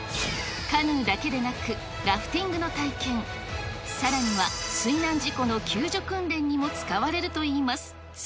カヌーだけでなく、ラフティングの体験、さらには水難事故の救助訓練にも使われるといいます。